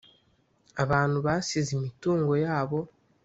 Abantu basize imitungo yabo.